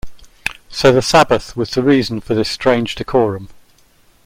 So the Sabbath was the reason for this strange decorum.